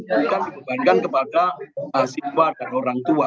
bukan dibebankan kepada masyarakat dan orang tua